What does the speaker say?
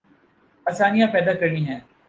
آسانیاں پیدا کرنی ہیں۔